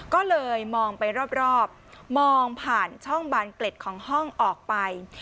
ก็เลยมองไปรอบมองผ่านช่องบานเกล็ดของห้องออกไป